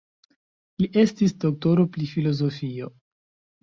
Li estis doktoro pri filozofio.